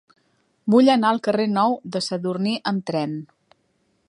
Vull anar al carrer Nou de Sadurní amb tren.